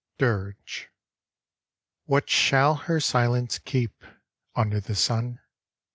DIRGE What shall her silence keep Under the sun?